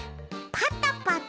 パタパタ？